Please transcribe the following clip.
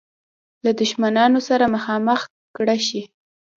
له دښمنانو سره مخامخ کړه شي.